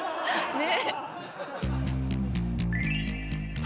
ねえ。